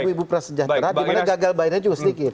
ibu ibu prasejahtera dimana gagal bayarnya juga sedikit